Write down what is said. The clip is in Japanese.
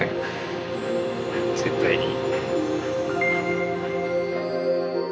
絶対に。